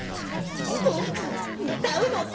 ぼくうたうのだいすき！